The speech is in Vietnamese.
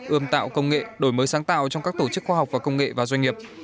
ươm tạo công nghệ đổi mới sáng tạo trong các tổ chức khoa học và công nghệ và doanh nghiệp